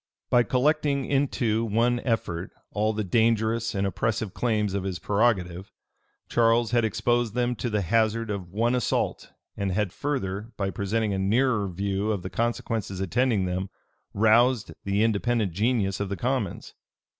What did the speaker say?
By collecting into one effort all the dangerous and oppressive claims of his prerogative, Charles had exposed them to the hazard of one assault and had further, by presenting a nearer view of the consequences attending them, roused the independent genius of the commons.